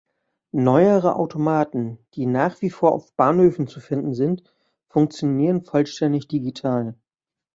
Neuere Automaten, die nach wie vor auf Bahnhöfen zu finden sind, funktionieren vollständig digital.